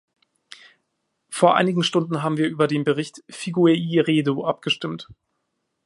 Vor einigen Stunden haben wir über den Bericht Figueiredo abgestimmt.